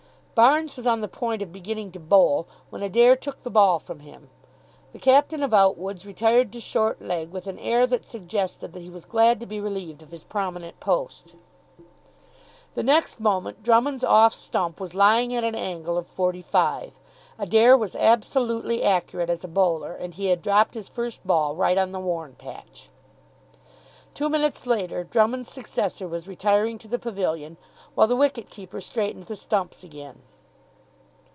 Barnes was on the point of beginning to bowl, when Adair took the ball from him. The captain of Outwood's retired to short leg with an air that suggested that he was glad to be relieved of his prominent post. The next moment Drummond's off stump was lying at an angle of forty five. Adair was absolutely accurate as a bowler, and he had dropped his first ball right on the worn patch. Two minutes later Drummond's successor was retiring to the pavilion, while the wicket keeper straightened the stumps again.